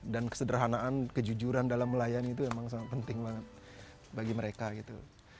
dan kesederhanaan kejujuran dalam melayani itu memang sangat penting banget bagi mereka gitu